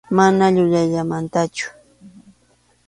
Mana yuyayllamantachu.